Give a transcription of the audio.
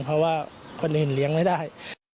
เพราะว่าคนอื่นเลี้ยงไม่ได้